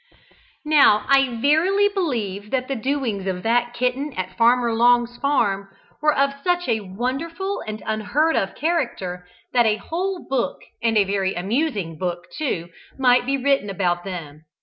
Now I verily believe that the doings of that kitten at Farmer Long's farm were of such a wonderful and unheard of character that a whole book, and a very amusing book, too, might be written about them.